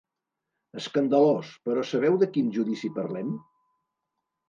Escandalós, però sabeu de quin judici parlem?